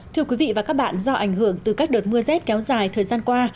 thưa quý vị và các bạn do ảnh hưởng từ các đợt mưa rét kéo dài thời gian qua